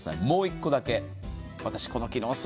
もう１個だけ。